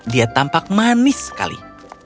dia tampak manis sekali